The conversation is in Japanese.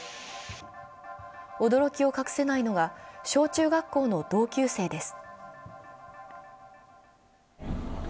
驚きを隠せないのが、小中学校の同級生です。